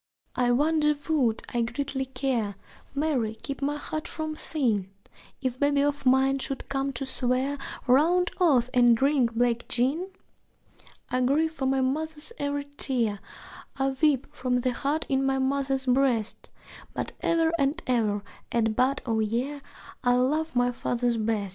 (I wonder would I greatly care Mary, keep my heart from sin! If babe of mine should come to swear Round oaths and drink black gin?) I grieve for my mother's every tear, I weep for the hurt in my mother's breast, But ever and ever at bud o' year I love my father best.